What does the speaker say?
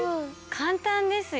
簡単ですよ。